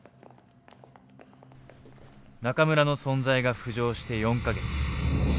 中村の存在が浮上して４か月。